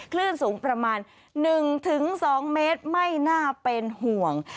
คลื่นสูงประมาณ๑๒เมตรไม่น่าเป็นห่วง